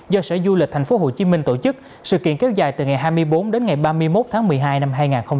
do sở du lịch thành phố hồ chí minh tổ chức sự kiện kéo dài từ ngày hai mươi bốn đến ngày ba mươi một tháng một mươi hai năm hai nghìn hai mươi một